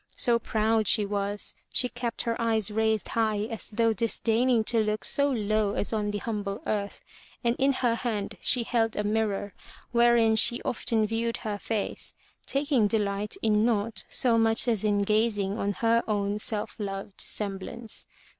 So proud she was, she kept her eyes raised high as though disdaining to look so low as on the humble earth, and in her hand she held a mirror, wherein she often viewed her face, taking delight in naught so much as in gazing on her own self loved semblance.